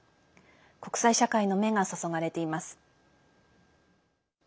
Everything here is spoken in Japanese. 国際社会の目が注がれています。